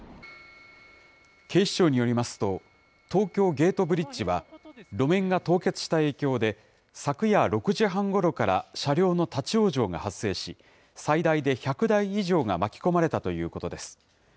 警視庁によりますと、東京ゲートブリッジは、路面が凍結した影響で、昨夜６時半ごろから車両の立往生が発生し、最大で１００台以上が巻き込まれたということです。